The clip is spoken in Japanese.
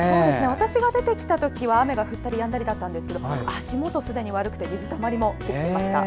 私が出てきた時は雨が降ったりやんだりでしたが足もとがすでに悪くて水たまりもできていました。